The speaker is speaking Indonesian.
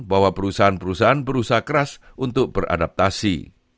bahwa perusahaan perusahaan berusaha keras untuk beradaptasi